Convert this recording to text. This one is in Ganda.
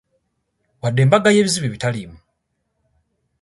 Twadda emabega olwebizibu ebitali bimu.